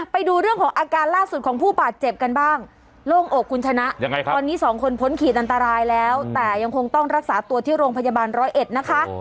ไปดูเรื่องของอาการล่าสุดของผู้บาดเจ็บกันบ้างโล่งอกคุณชนะยังไงครับตอนนี้สองคนพ้นขีดอันตรายแล้วแต่ยังคงต้องรักษาตัวที่โรงพยาบาลร้อยเอ็ดนะคะ